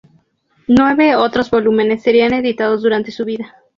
Nueve otros volúmenes serían editados durante su vida.